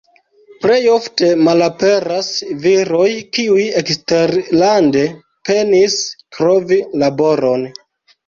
Plej ofte malaperas viroj, kiuj eksterlande penis trovi laboron.